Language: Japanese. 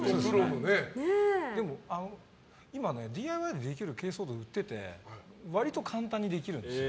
今ＤＩＹでできる珪藻土売ってて割と簡単にできるんですよ。